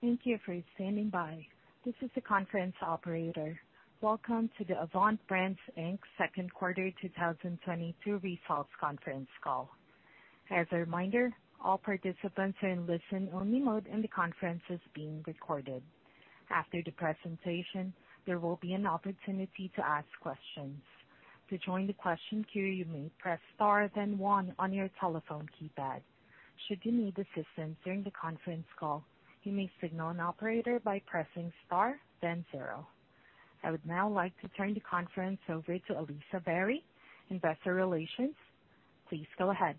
Thank you for standing by. This is the conference operator. Welcome to the Avant Brands Inc.'s second quarter 2022 results conference call. As a reminder, all participants are in listen-only mode, and the conference is being recorded. After the presentation, there will be an opportunity to ask questions. To join the question queue, you may press star then one on your telephone keypad. Should you need assistance during the conference call, you may signal an operator by pressing star then zero. I would now like to turn the conference over to Alyssa Barry, Investor Relations. Please go ahead.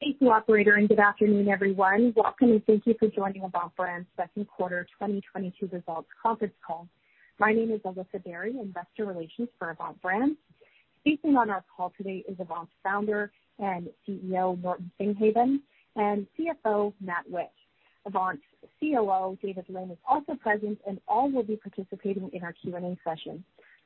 Thank you, operator, and good afternoon, everyone. Welcome, and thank you for joining Avant Brands' second quarter 2022 results conference call. My name is Alyssa Barry, Investor Relations for Avant Brands. Speaking on our call today is Avant's Founder and Chief Executive Officer, Norton Singhavon, and Chief Financial Officer, Matthew Whitt. Avant's Chief Operating Officer, David Lynn, is also present, and all will be participating in our Q&A session.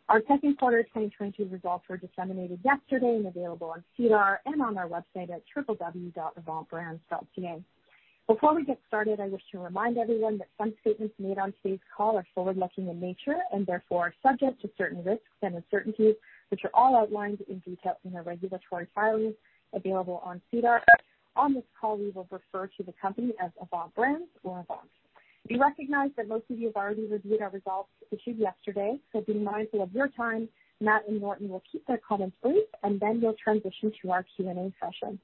Our second quarter 2022 results were disseminated yesterday and available on SEDAR and on our website at www.avantbrands.ca. Before we get started, I wish to remind everyone that some statements made on today's call are forward-looking in nature and therefore are subject to certain risks and uncertainties, which are all outlined in detail in our regulatory filings available on SEDAR. On this call, we will refer to the company as Avant Brands or Avant. We recognize that most of you have already reviewed our results issued yesterday, so being mindful of your time, Matt and Norton will keep their comments brief, and then we'll transition to our Q&A session.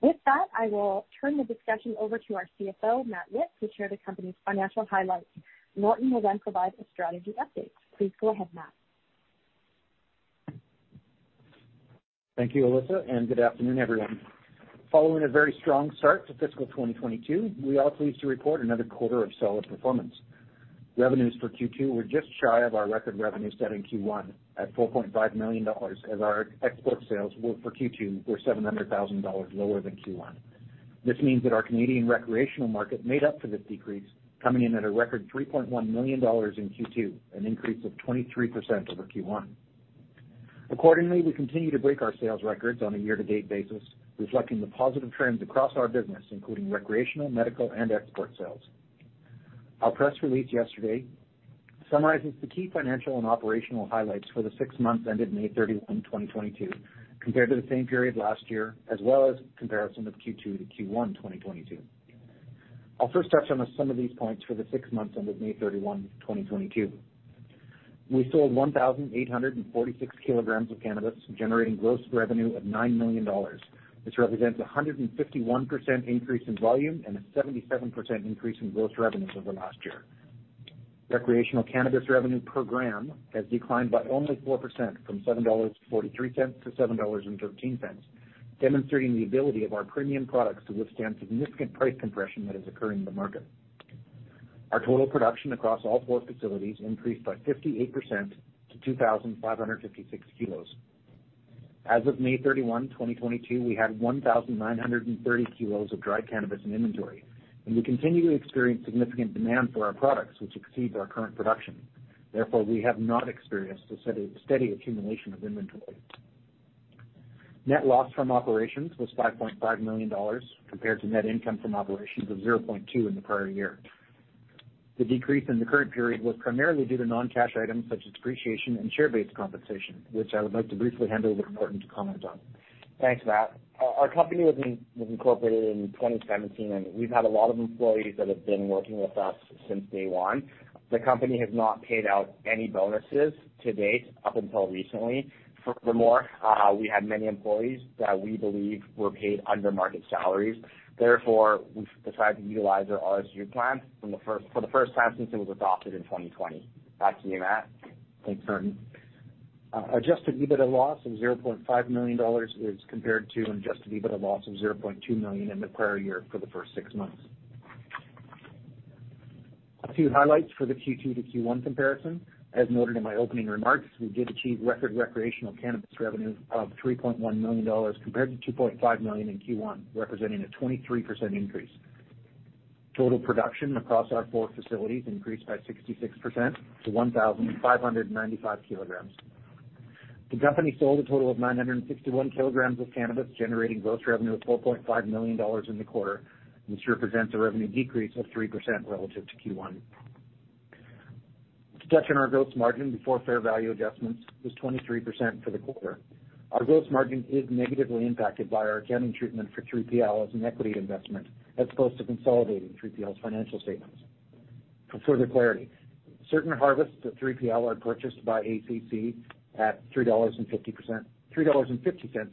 With that, I will turn the discussion over to our Chief Financial Officer, Matthew Whitt, to share the company's financial highlights. Norton will then provide a strategy update. Please go ahead, Matt. Thank you, Alyssa, and good afternoon, everyone. Following a very strong start to fiscal 2022, we are pleased to report another quarter of solid performance. Revenues for Q2 were just shy of our record revenue set in Q1 at 4.5 million dollars as our export sales for Q2 were 700,000 dollars lower than Q1. This means that our Canadian recreational market made up for this decrease, coming in at a record 3.1 million dollars in Q2, an increase of 23% over Q1. Accordingly, we continue to break our sales records on a year-to-date basis, reflecting the positive trends across our business, including recreational, medical, and export sales. Our press release yesterday summarizes the key financial and operational highlights for the six months ended May 31st, 2022, compared to the same period last year, as well as comparison of Q2-Q1 2022. I'll first touch on some of these points for the six months ended May 31st, 2022. We sold 1,846 kilograms of cannabis, generating gross revenue of 9 million dollars, which represents a 151% increase in volume and a 77% increase in gross revenue over last year. Recreational cannabis revenue per gram has declined by only 4% from 7.43-7.13 dollars, demonstrating the ability of our premium products to withstand significant price compression that is occurring in the market. Our total production across all four facilities increased by 58% to 2,556 kilos. As of May 31st, 2022, we had 1,930 kilos of dry cannabis in inventory, and we continue to experience significant demand for our products which exceeds our current production. Therefore, we have not experienced a steady accumulation of inventory. Net loss from operations was 5.5 million dollars compared to net income from operations of 0.2 million in the prior year. The decrease in the current period was primarily due to non-cash items such as depreciation and share-based compensation, which I would like to briefly hand over to Norton to comment on. Thanks, Matt. Our company was incorporated in 2017, and we've had a lot of employees that have been working with us since day one. The company has not paid out any bonuses to date up until recently. Furthermore, we had many employees that we believe were paid under market salaries. Therefore, we've decided to utilize our RSU plan for the first time since it was adopted in 2020. Back to you, Matt. Thanks, Norton. Adjusted EBITDA loss of 0.5 million dollars is compared to an adjusted EBITDA loss of 0.2 million in the prior year for the first six months. A few highlights for the Q2 to Q1 comparison. As noted in my opening remarks, we did achieve record recreational cannabis revenue of 3.1 million dollars compared to 2.5 million in Q1, representing a 23% increase. Total production across our four facilities increased by 66% to 1,595 kilograms. The company sold a total of 961 kilograms of cannabis, generating gross revenue of 4.5 million dollars in the quarter, which represents a revenue decrease of 3% relative to Q1. Touch on our gross margin before fair value adjustments was 23% for the quarter. Our gross margin is negatively impacted by our accounting treatment for 3PL as an equity investment as opposed to consolidating 3PL's financial statements. For further clarity, certain harvests at 3PL are purchased by ACC at 3.50 dollars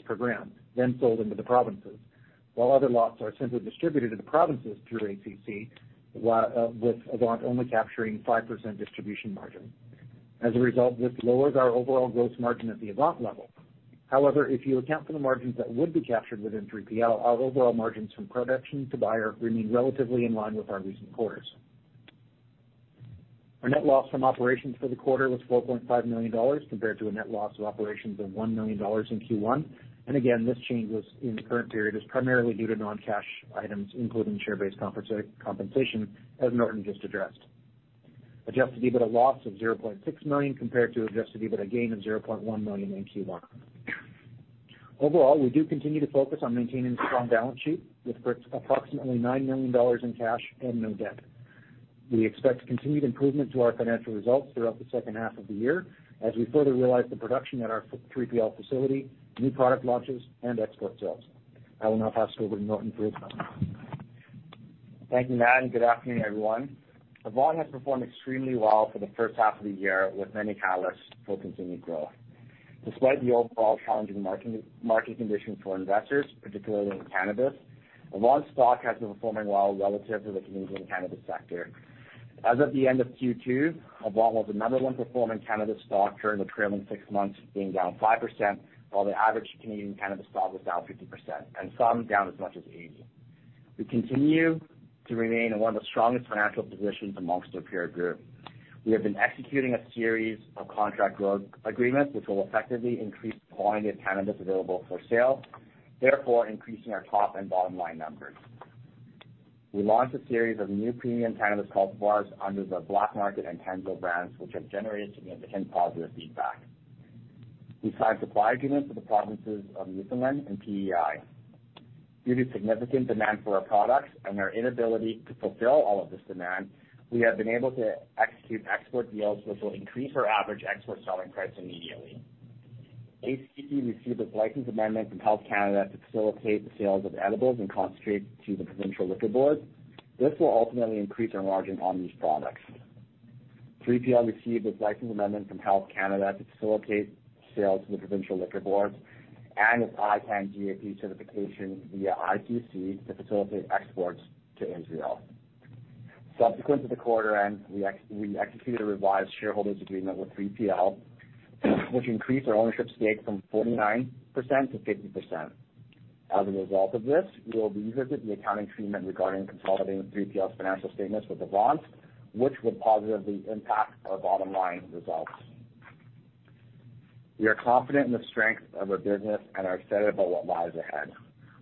per gram, then sold into the provinces, while other lots are simply distributed to the provinces through ACC, with Avant only capturing 5% distribution margin. As a result, this lowers our overall gross margin at the Avant level. However, if you account for the margins that would be captured within 3PL, our overall margins from production to buyer remain relatively in line with our recent quarters. Our net loss from operations for the quarter was 4.5 million dollars compared to a net loss of operations of 1 million dollars in Q1. This change was in the current period is primarily due to non-cash items, including share-based compensation, as Norton Singhavon just addressed. Adjusted EBITDA loss of 0.6 million compared to adjusted EBITDA gain of 0.1 million in Q1. Overall, we do continue to focus on maintaining a strong balance sheet with approximately 9 million dollars in cash and no debt. We expect continued improvement to our financial results throughout the second half of the year as we further realize the production at our 3PL facility, new product launches and export sales. I will now pass it over to Norton Singhavon. Thank you, Matt, and good afternoon, everyone. Avant has performed extremely well for the first half of the year with many catalysts for continued growth. Despite the overall challenging marketing condition for investors, particularly in cannabis, Avant stock has been performing well relative to the Canadian cannabis sector. As of the end of Q2, Avant was the number one performing cannabis stock during the trailing six months, being down 5%, while the average Canadian cannabis stock was down 50% and some down as much as 80%. We continue to remain in one of the strongest financial positions amongst our peer group. We have been executing a series of contract growth agreements which will effectively increase the quantity of cannabis available for sale, therefore increasing our top and bottom line numbers. We launched a series of new premium cannabis cultivars under the BLK MKT and Cognōscente brands, which have generated significant positive feedback. We signed supply agreements with the provinces of Newfoundland and PEI. Due to significant demand for our products and our inability to fulfill all of this demand, we have been able to execute export deals which will increase our average export selling price immediately. ACP received its license amendment from Health Canada to facilitate the sales of edibles and concentrates to the Provincial Liquor Board. This will ultimately increase our margin on these products. 3PL received its license amendment from Health Canada to facilitate sales to the Provincial Liquor Board and its IMC-GAP certification via IPC to facilitate exports to Israel. Subsequent to the quarter end, we executed a revised shareholders agreement with 3PL, which increased our ownership stake from 49%-50%. As a result of this, we will revisit the accounting treatment regarding consolidating 3PL's financial statements with Avant's, which would positively impact our bottom-line results. We are confident in the strength of our business and are excited about what lies ahead.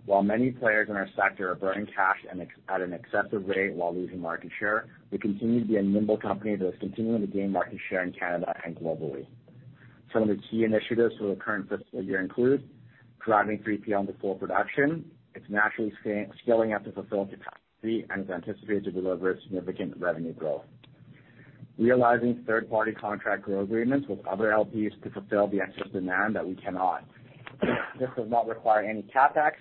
While many players in our sector are burning cash at an excessive rate while losing market share, we continue to be a nimble company that is continuing to gain market share in Canada and globally. Some of the key initiatives for the current fiscal year include driving 3PL into full production. It's naturally scaling up to full capacity and is anticipated to deliver significant revenue growth. Realizing third-party contract growth agreements with other LPs to fulfill the excess demand that we cannot. This does not require any CapEx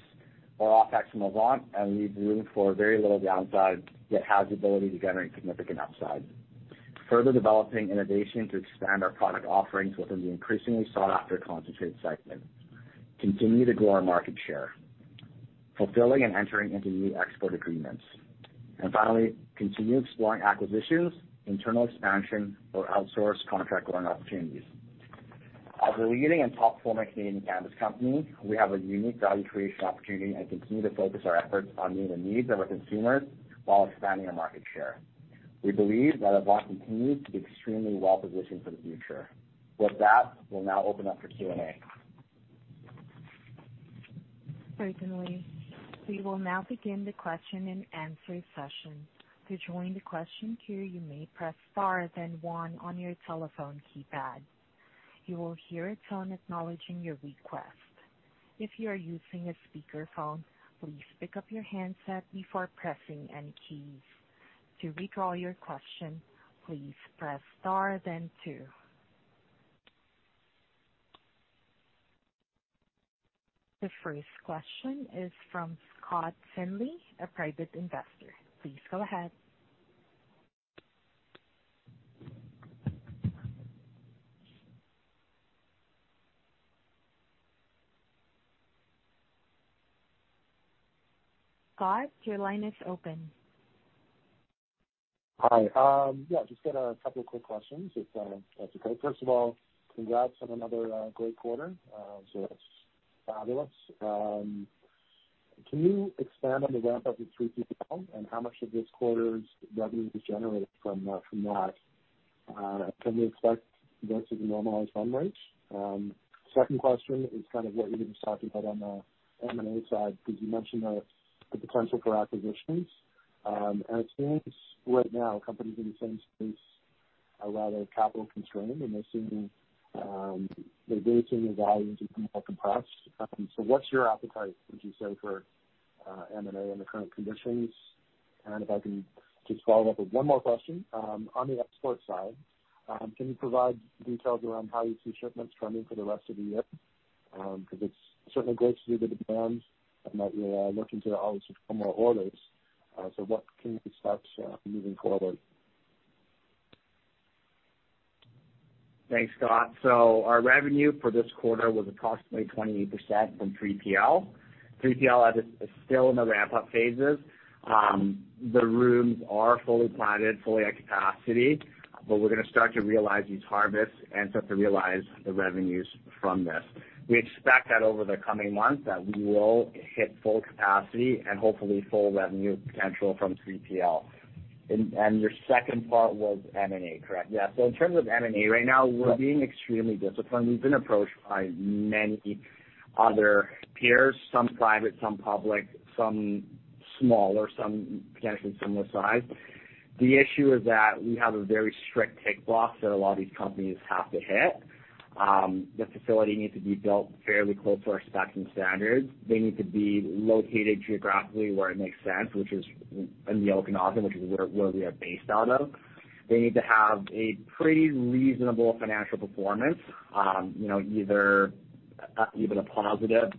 or OpEx from Avant, and leaves room for very little downside, yet has the ability to generate significant upside. Further developing innovation to expand our product offerings within the increasingly sought-after concentrate segment. Continue to grow our market share, fulfilling and entering into new export agreements. Finally, continue exploring acquisitions, internal expansion or outsourced contract growing opportunities. As a leading and top-performing Canadian cannabis company, we have a unique value creation opportunity and continue to focus our efforts on meeting the needs of our consumers while expanding our market share. We believe that Avant continues to be extremely well-positioned for the future. With that, we'll now open up for Q&A. Certainly. We will now begin the question-and-answer session. To join the question queue, you may press star then one on your telephone keypad. You will hear a tone acknowledging your request. If you are using a speakerphone, please pick up your handset before pressing any keys. To withdraw your question, please press star then two. The first question is from Scott Finley, a private investor. Please go ahead. Scott, your line is open. Hi. Yeah, just got a couple of quick questions if that's okay. First of all, congrats on another great quarter. So that's fabulous. Can you expand on the ramp-up with 3PL and how much of this quarter's revenue was generated from that? Can we expect to go to the normalized run rates? Second question is kind of what you were just talking about on the M&A side, because you mentioned the potential for acquisitions. It seems right now companies in the same space are rather capital constrained, and they seem the values have been more compressed. So what's your appetite, would you say, for M&A in the current conditions? If I can just follow up with one more question, on the export side, can you provide details around how you see shipments trending for the rest of the year? Because it's certainly great to hear the demands and that you're looking to obviously put more orders. What can we expect moving forward? Thanks, Scott. Our revenue for this quarter was approximately 28% from 3PL. 3PL as is still in the ramp-up phases. The rooms are fully planted, fully at capacity, but we're gonna start to realize these harvests and start to realize the revenues from this. We expect that over the coming months that we will hit full capacity and hopefully full revenue potential from 3PL. And your second part was M&A, correct? Yeah. In terms of M&A, right now we're being extremely disciplined. We've been approached by many other peers, some private, some public, some smaller, some potentially similar size. The issue is that we have a very strict tick box that a lot of these companies have to hit. The facility needs to be built fairly close to our specs and standards. They need to be located geographically where it makes sense, which is in the Okanagan, which is where we are based out of. They need to have a pretty reasonable financial performance, you know, either a positive,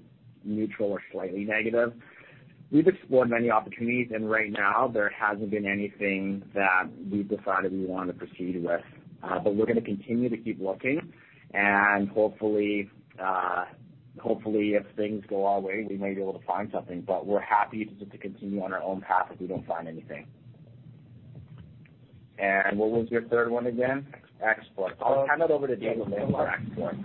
neutral or slightly negative. We've explored many opportunities and right now there hasn't been anything that we've decided we want to proceed with. But we're gonna continue to keep looking and hopefully, if things go our way, we may be able to find something. But we're happy just to continue on our own path if we don't find anything. What was your third one again? Export. I'll hand it over to David for export.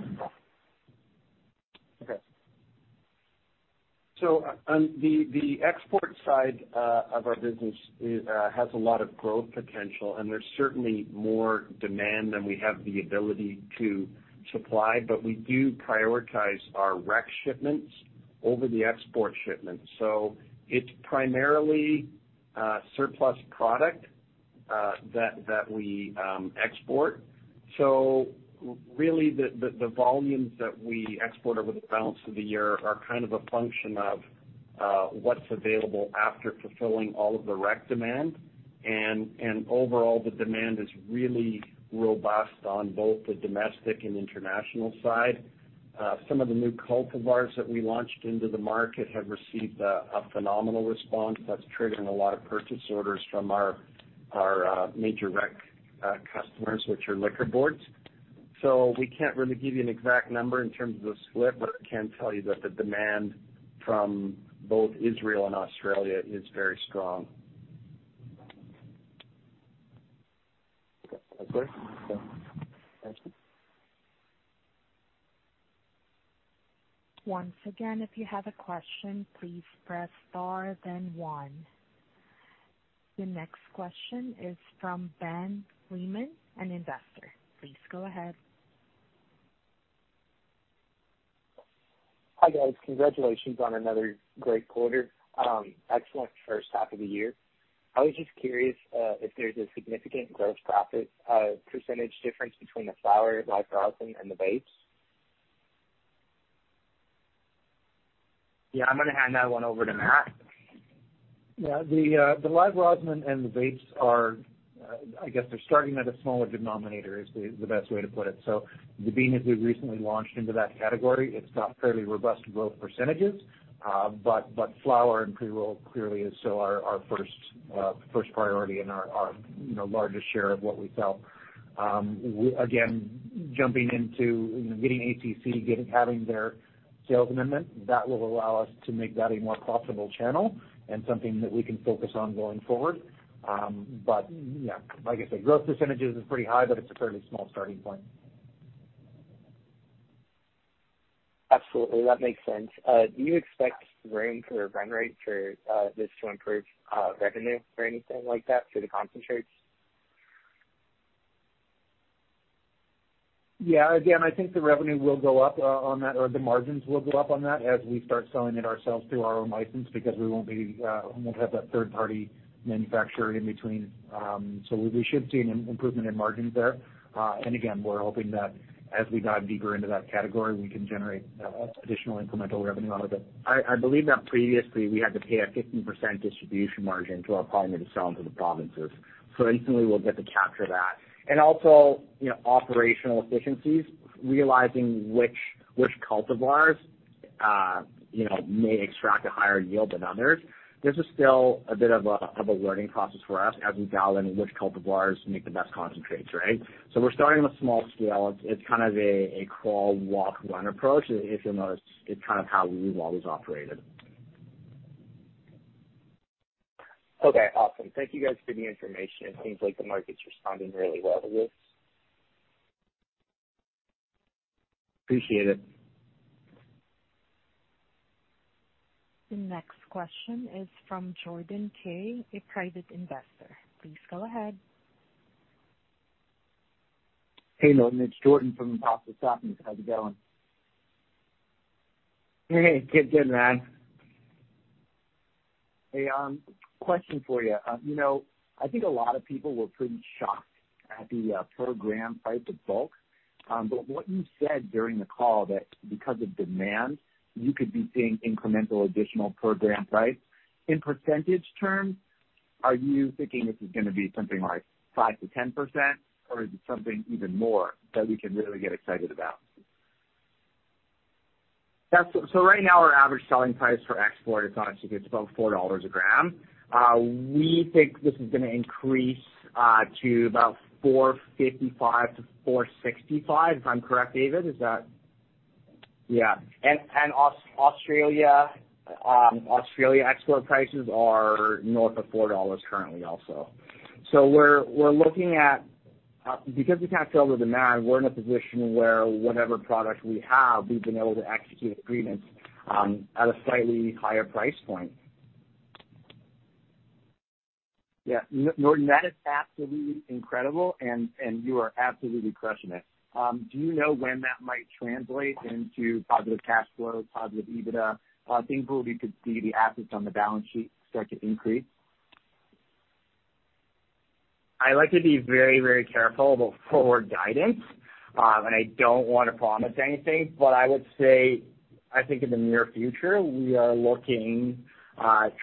On the export side of our business has a lot of growth potential, and there's certainly more demand than we have the ability to supply. We do prioritize our rec shipments over the export shipments. It's primarily surplus product that we export. Really the volumes that we export over the balance of the year are kind of a function of what's available after fulfilling all of the rec demand. Overall, the demand is really robust on both the domestic and international side. Some of the new cultivars that we launched into the market have received a phenomenal response that's triggering a lot of purchase orders from our major rec customers, which are liquor boards. We can't really give you an exact number in terms of the split, but I can tell you that the demand from both Israel and Australia is very strong. Okay. That's it. Thank you. Once again, if you have a question, please press star then one. The next question is from Ben Freeman, an investor. Please go ahead. Hi, guys. Congratulations on another great quarter. Excellent first half of the year. I was just curious if there's a significant gross profit percentage difference between the flower, Live Rosin, and the vapes? Yeah, I'm gonna hand that one over to Matt. Yeah. The Live Rosin and the vapes are, I guess they're starting at a smaller denominator is the best way to put it. The thing is, as we recently launched into that category, it's got fairly robust growth percentages. Flower and pre-roll clearly is still our first priority and our, you know, largest share of what we sell. Again, jumping into, you know, getting ATC, having their sales amendment, that will allow us to make that a more profitable channel and something that we can focus on going forward. Yeah, like I said, growth percentages is pretty high, but it's a fairly small starting point. Absolutely. That makes sense. Do you expect room for run rate for this to improve revenue or anything like that for the concentrates? Yeah. Again, I think the revenue will go up on that or the margins will go up on that as we start selling it ourselves through our own license because we won't have that third party manufacturer in between. We should see an improvement in margins there. Again, we're hoping that as we dive deeper into that category, we can generate additional incremental revenue out of it. I believe that previously we had to pay a 15% distribution margin to our partner to sell into the provinces. Instantly we'll get to capture that. Also, you know, operational efficiencies, realizing which cultivars, you know, may extract a higher yield than others. This is still a bit of a learning process for us as we dial in which cultivars make the best concentrates, right? We're starting with small scale. It's kind of a crawl, walk, run approach. If you'll notice, it's kind of how we've always operated. Okay, awesome. Thank you guys for the information. It seems like the market's responding really well to this. Appreciate it. The next question is from Jordan Kay, a private investor. Please go ahead. Hey, Norton, it's Jordan from Pothole Stocking. How's it going? Hey. Good, good, man. Hey, question for you. You know, I think a lot of people were pretty shocked at the per gram price of bulk. What you said during the call that because of demand, you could be seeing incremental additional per gram price. In percentage terms, are you thinking this is gonna be something like 5%-10%, or is it something even more that we can really get excited about? Right now, our average selling price for export is actually it's about 4 dollars a gram. We think this is gonna increase to about 4.55-4.65, if I'm correct, David, is that. Yeah. Australia export prices are north of 4 dollars currently also. We're looking at because we can't fill the demand, we're in a position where whatever product we have, we've been able to execute agreements at a slightly higher price point. Yeah. Norton, that is absolutely incredible, and you are absolutely crushing it. Do you know when that might translate into positive cash flow, positive EBITDA? I think we'll be able to see the assets on the balance sheet start to increase. I like to be very, very careful about forward guidance, and I don't wanna promise anything, but I would say I think in the near future we are looking,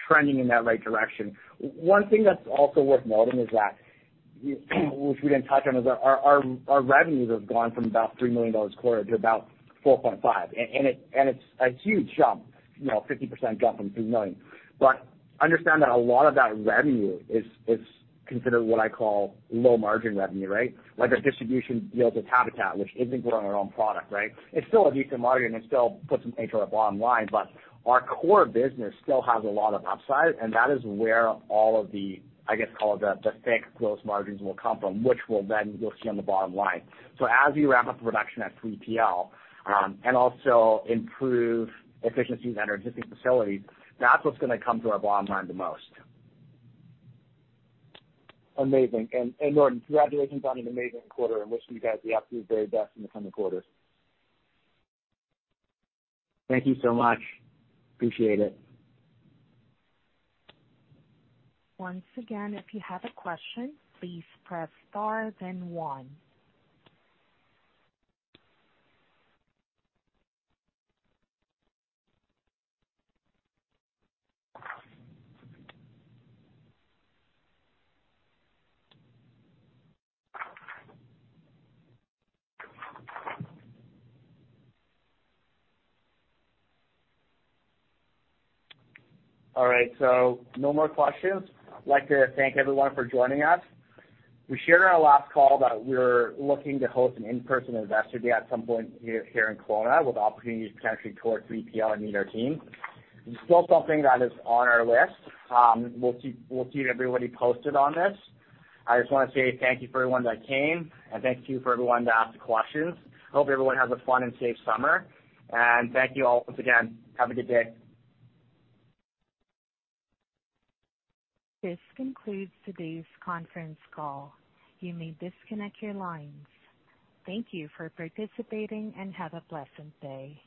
trending in that right direction. One thing that's also worth noting is that, which we didn't touch on, is our revenues have gone from about 3 million dollars a quarter to about 4.5 million. It's a huge jump, you know, 50% jump from 3 million. But understand that a lot of that revenue is considered what I call low-margin revenue, right? Like our distribution deals with Habitat, which isn't growing our own product, right? It's still a decent margin, it still puts some into our bottom line, but our core business still has a lot of upside, and that is where all of the, I guess, call it the thick gross margins will come from, which will then you'll see on the bottom line. As we ramp up production at 3PL, and also improve efficiencies at our existing facilities, that's what's gonna come to our bottom line the most. Amazing. Norton, congratulations on an amazing quarter. I wish you guys the absolute very best in the coming quarters. Thank you so much. Appreciate it. Once again, if you have a question, please press star then one. All right, so no more questions. I'd like to thank everyone for joining us. We shared on our last call that we're looking to host an in-person investor day at some point here in Kelowna, with opportunities to actually tour 3PL and meet our team. It's still something that is on our list. We'll keep everybody posted on this. I just wanna say thank you for everyone that came, and thank you for everyone that asked the questions. Hope everyone has a fun and safe summer. Thank you all once again. Have a good day. This concludes today's conference call. You may disconnect your lines. Thank you for participating, and have a pleasant day.